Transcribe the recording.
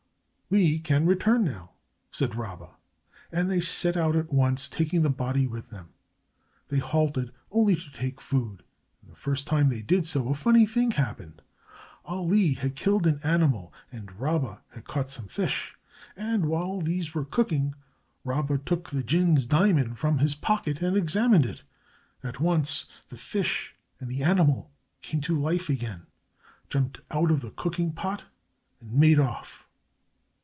"We can return now," said Rabba, and they set out at once, taking the body with them. They halted only to take food, and the first time they did so a funny thing happened. Ali had killed an animal and Rabba had caught some fish, and, while these were cooking, Rabba took the jinn's diamond from his pocket and examined it. At once the fish and the animal came to life again, jumped out of the cooking pot and made off.